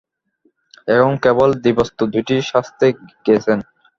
এখন কেবল দিব্যাস্ত্র দুটি সাজতে গেছেন।